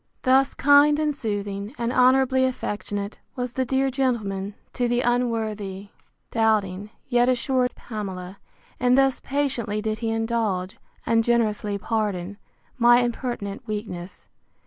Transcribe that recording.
Thus kind and soothing, and honourably affectionate, was the dear gentleman, to the unworthy, doubting, yet assured Pamela; and thus patiently did he indulge, and generously pardon, my impertinent weakness.